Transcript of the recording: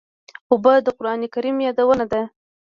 اوبه د قرآن کریم یادونه ده.